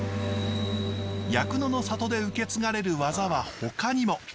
夜久野の里で受け継がれる技はほかにも。